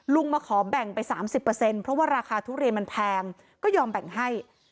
มาขอแบ่งไป๓๐เพราะว่าราคาทุเรียนมันแพงก็ยอมแบ่งให้